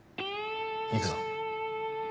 行くぞ。